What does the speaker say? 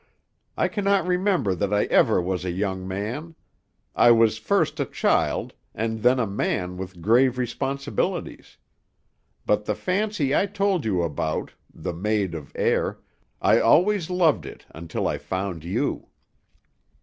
I cannot remember that I ever was a young man; I was first a child, and then a man with grave responsibilities. But the fancy I told you about the Maid of Air I always loved it until I found you."